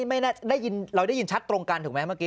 ไม่ได้ยินเราได้ยินชัดตรงกันถูกไหมเมื่อกี้